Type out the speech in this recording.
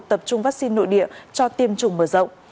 tập trung vaccine nội địa cho tiêm chủng mở rộng